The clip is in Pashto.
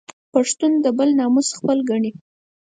پښتون د بل ناموس خپل ګڼي